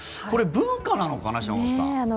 これ、文化なのかな？